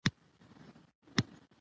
باسواده نجونې د سپورت په ډګر کې ځلیږي.